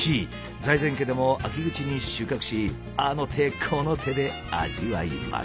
財前家でも秋口に収穫しあの手この手で味わいます。